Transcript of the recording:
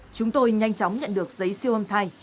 chúng tôi nhanh chóng nhận được giấy siêu âm thai